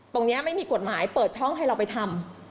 ไม่มีกฎหมายเปิดช่องให้เราไปทำ